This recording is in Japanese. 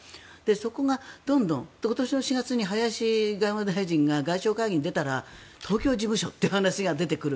そこがどんどん、今年の４月に林外務大臣が外相会議に出たら東京事務所という話が出てくる。